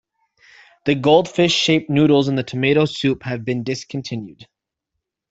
The Goldfish shaped noodles in the tomato soup have been discontinued.